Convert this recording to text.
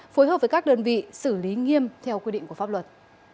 phối hợp với các đơn vị xử lý nghiêm theo quy định của pháp luật